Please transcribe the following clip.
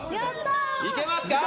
いけますか？